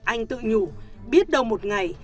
anh tự nhủ biết đâu một ngày